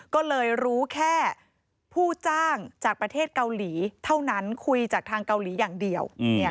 ก็เลยรู้แค่ผู้จ้างจากประเทศเกาหลีเท่านั้นคุยจากทางเกาหลีอย่างเดียว